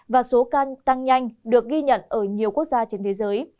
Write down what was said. và số ca tăng nhanh được ghi nhận ở nhiều quốc gia trên thế giới